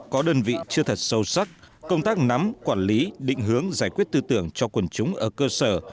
có đơn vị chưa thật sâu sắc công tác nắm quản lý định hướng giải quyết tư tưởng cho quần chúng ở cơ sở